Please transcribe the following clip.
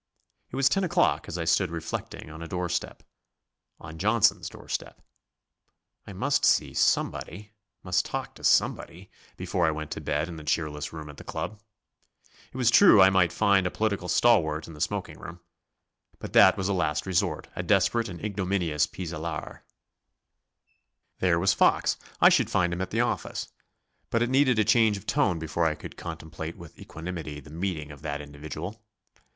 It was ten o'clock as I stood reflecting on a doorstep on Johnson's doorstep. I must see somebody, must talk to somebody, before I went to bed in the cheerless room at the club. It was true I might find a political stalwart in the smoking room but that was a last resort, a desperate and ignominious pis aller. There was Fox, I should find him at the office. But it needed a change of tone before I could contemplate with equanimity the meeting of that individual.